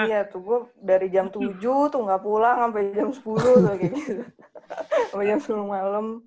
iya gua dari jam tujuh tuh ga pulang sampe jam sepuluh tuh sama jam sepuluh malem